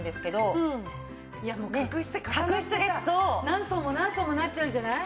何層も何層もなっちゃうじゃない？